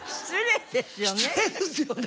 失礼ですよね。